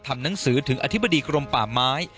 ทำหนังสือถึงอธิบดีกรมป่าไม้